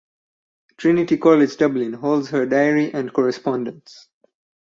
Trinity College Dublin holds her diary and correspondence.